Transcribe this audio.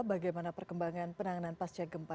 bagaimana perkembangan penanganan pasca gempa